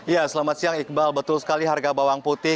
ya selamat siang iqbal betul sekali harga bawang putih